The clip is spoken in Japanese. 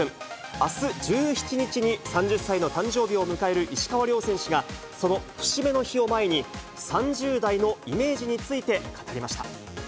あす１７日に３０歳の誕生日を迎える石川遼選手が、その節目の日を前に、３０代のイメージについて語りました。